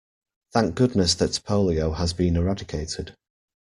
Thank goodness that polio has been eradicated.